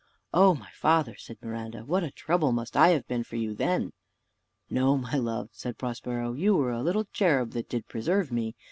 "O my father," said Miranda, "what a trouble must I have been to you then!" "No, my love," said Prospero, "you were a little cherub that did preserve me.